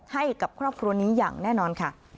ให้กับครอบครัวนี้อย่างแน่นอนค่ะ